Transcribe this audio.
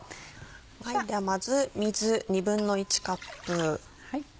ではまず水１／２カップ。